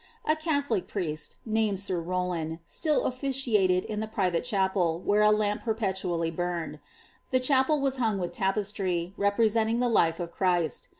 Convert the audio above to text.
A Catholic priest, named sir Rowland, still offi the private chapel, where a lamp perpetually burnt. The ) hung with tapestry, representing the life of Christ.